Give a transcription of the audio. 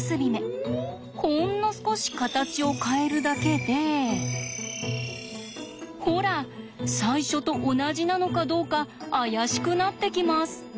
ほんの少し形を変えるだけでほら最初と同じなのかどうか怪しくなってきます。